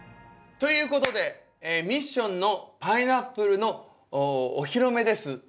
ということでミッションのパイナップルのお披露目です。